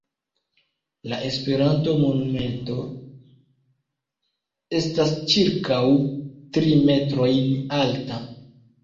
La Esperanto monumento estas ĉirkaŭ tri metrojn alta.